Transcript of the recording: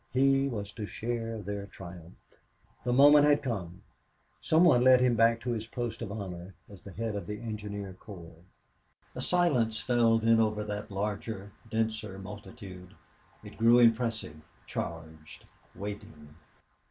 He was to share their triumphs. The moment had come. Some one led him back to his post of honor as the head of the engineer corps. A silence fell then over that larger, denser multitude. It grew impressive, charged, waiting.